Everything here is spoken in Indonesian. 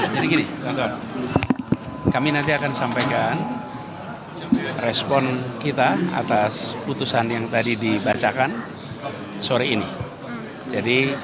jangan lupa like share dan subscribe channel ini